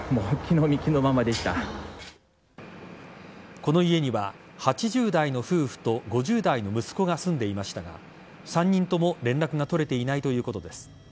この家には８０代の夫婦と５０代の息子が住んでいましたが３人とも連絡が取れていないということです。